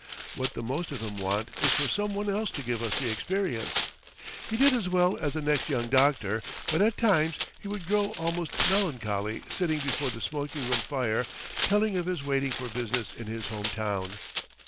"What the most of 'em want is for some one else to give us the experience." He did as well as the next young doctor, but at times he would grow almost melancholy sitting before the smoking room fire telling of his waiting for business in his home town.